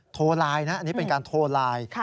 โทรไลน์นะอันนี้เป็นการโทรไลน์